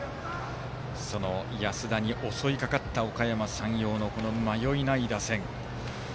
その安田に襲いかかったおかやま山陽のこの迷いない打線。